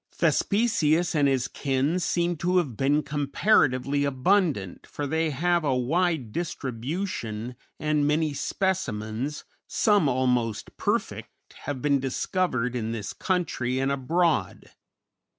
Thespesius and his kin seem to have been comparatively abundant, for they have a wide distribution, and many specimens, some almost perfect, have been discovered in this country and abroad.